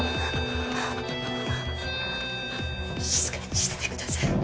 静かにしててください